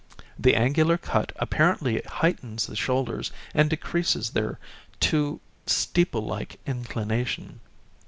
The angular cut apparently heightens the shoulders and decreases their too steeple like inclination.